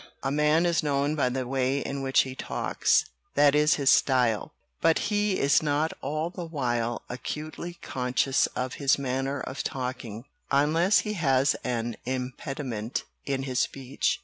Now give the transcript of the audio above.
A man is known by the way in which he talks that is his ' style.' But he is not all the while acutely conscious of his manner of talking unless he has an impediment in his speech.